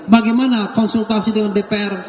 bagaimana konsultasi dengan dpr